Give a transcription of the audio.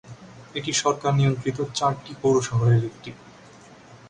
এটি সরকার নিয়ন্ত্রিত চারটি পৌর শহরের একটি।